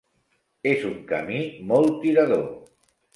És un camí molt tirador.